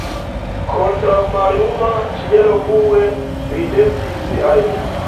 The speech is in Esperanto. Kontraŭ malluma ĉielo Hue ridetis al mi.